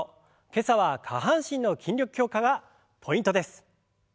今朝は下半身の筋力強化がポイントです。